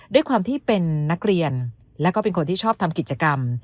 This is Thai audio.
ด้วยความที่เป็นนักเรียนแล้วก็เป็นคนที่ชอบทำกิจกรรม